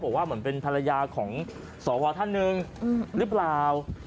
บอกว่าเหมือนเป็นภรรยาของสวท่านหนึ่งหรือเปล่า